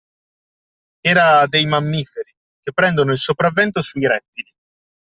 Era dei mammiferi, che prendono il sopravvento sui rettili